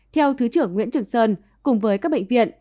theo thứ trưởng nguyễn trường sơn cùng với các bệnh viện